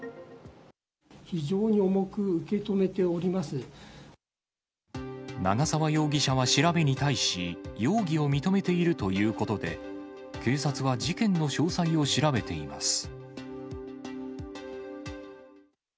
非常に重く受け止めておりま長沢容疑者は調べに対し、容疑を認めているということで、警察は事件の詳細を調べています。